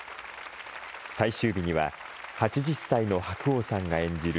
最終日には、８０歳の白鸚さんが演じる